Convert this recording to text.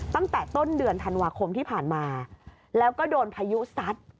ตั้งแต่ต้นเดือนธันวาคมที่ผ่านมาแล้วก็โดนพายุซัด